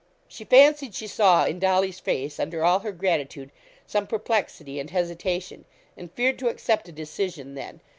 She fancied she saw in Dolly's face, under all her gratitude, some perplexity and hesitation, and feared to accept a decision then.